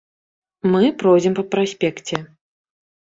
Мы пройдзем па праспекце.